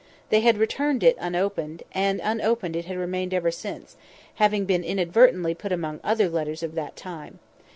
They had returned it unopened; and unopened it had remained ever since, having been inadvertently put by among the other letters of that time.